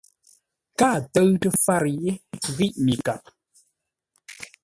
Káa ə̂ tə́ʉtə́ fárə yé ghíʼ mi kap.